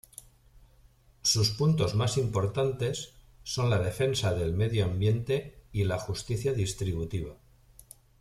Sus puntos más importantes son la defensa del medio ambiente y la justicia distributiva.